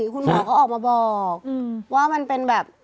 คุณหมอก็ออกมาบอกว่ามันเป็นแบบ